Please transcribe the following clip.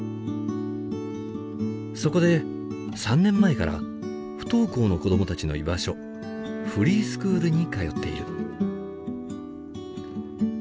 そこで３年前から不登校の子供たちの居場所フリースクールに通っている。